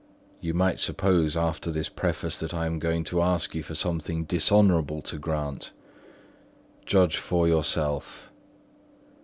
You might suppose, after this preface, that I am going to ask you for something dishonourable to grant. Judge for yourself.